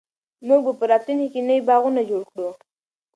موږ به په راتلونکي کې نوي باغونه جوړ کړو.